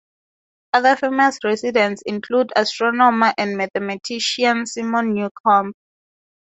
Other famous residents include astronomer and mathematician Simon Newcomb.